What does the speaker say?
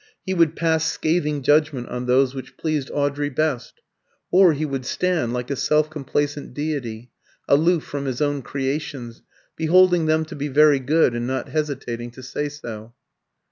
He would pass scathing judgment on those which pleased Audrey best; or he would stand, like a self complacent deity, aloof from his own creations, beholding them to be very good, and not hesitating to say so.